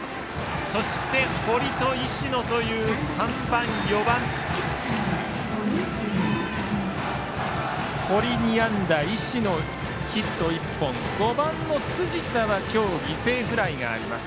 そして、堀と石野という３番、４番。堀、２安打石野、ヒット１本５番の辻田は今日犠牲フライがあります。